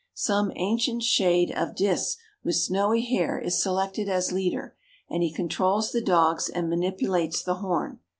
Some ancient shade of Dis with snowy hair is selected as leader, and he controls the dogs and manipulates the horn.